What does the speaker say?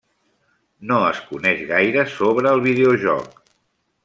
No es coneix gaire sobre el videojoc.